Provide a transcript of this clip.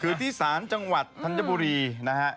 คือที่ศาลจังหวัดธัญบุรีนะฮะ